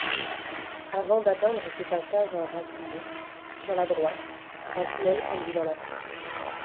Avant d'atteindre ce passage enraciné, sur la droite, un tunnel conduit dans la cour.